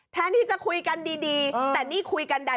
แทนที่จะคุยกันดีแต่นี่คุยกันได้